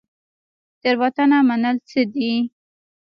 تیروتنه منل څه دي؟